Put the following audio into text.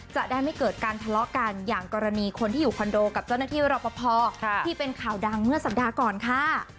จะได้ไม่เกิดการทะเลาะกันอย่างกรณีคนที่อยู่คอนโดกับเจ้าหน้าที่รอปภที่เป็นข่าวดังเมื่อสัปดาห์ก่อนค่ะ